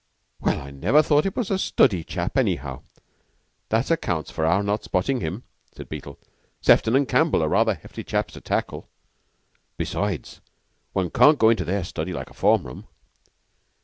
"Well, I never thought it was a study chap, anyhow. That accounts for our not spotting him," said Beetle. "Sefton and Campbell are rather hefty chaps to tackle. Besides, one can't go into their study like a form room."